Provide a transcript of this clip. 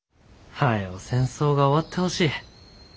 早う戦争が終わってほしい。